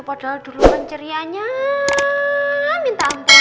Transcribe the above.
padahal dulu kan cerianya minta ampun